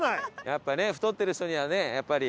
やっぱね太ってる人にはねやっぱり。